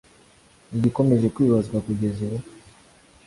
Igikomeje kwibazwa kugeza ubu